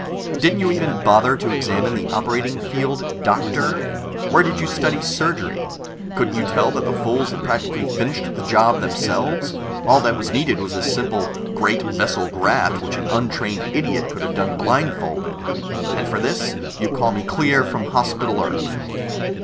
"Didn't you even bother to examine the operating field, Doctor? Where did you study surgery? Couldn't you tell that the fools had practically finished the job themselves? All that was needed was a simple great vessel graft, which an untrained idiot could have done blindfolded. And for this you call me clear from Hospital Earth!"